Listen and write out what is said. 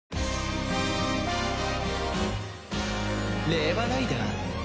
令和ライダー？